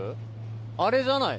あれじゃない？